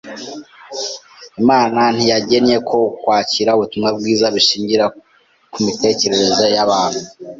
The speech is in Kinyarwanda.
Imana ntiyagennye ko kwakira Ubutumwa Bwiza bishingira ku mitekerereze y’abantu.